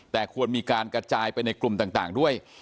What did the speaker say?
แต่ควรมีการกระจายไปในกลุ่มต่างด้วย